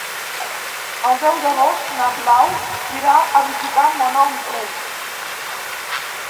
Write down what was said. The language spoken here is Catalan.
El deu d'agost na Blau irà a visitar mon oncle.